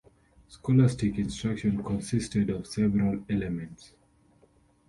Scholastic instruction consisted of several elements.